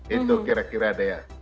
itu kira kira ada ya